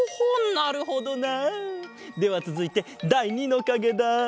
なるほどな。ではつづいてだい２のかげだ。